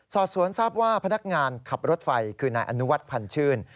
สอบสวนทราบว่าพนักงานขับรถไฟคือนายอนุวัฒน์พันธ์ชื่น